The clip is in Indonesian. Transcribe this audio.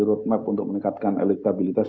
roadmap untuk meningkatkan elektabilitas